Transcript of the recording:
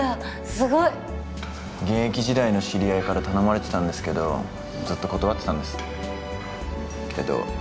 すごい現役時代の知り合いから頼まれてたんですけどずっと断ってたんですけど